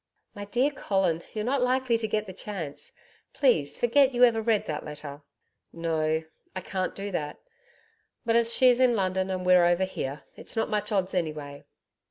'My dear Colin, you're not likely to get the chance. Please forget that you ever read that letter.' 'No, I can't do that; but as she's in London and we're over here, it's not much odds anyway.